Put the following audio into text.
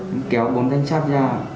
em kéo bốn thanh sáp ra